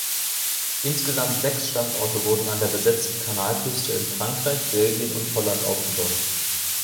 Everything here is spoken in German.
Insgesamt sechs Standorte wurden an der besetzten Kanalküste in Frankreich, Belgien und Holland aufgebaut.